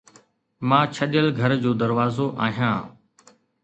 مان ڇڏيل گهر جو دروازو آهيان